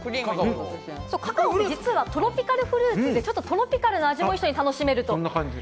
カカオもトロピカルフルーツでトロピカルな味も楽しめる。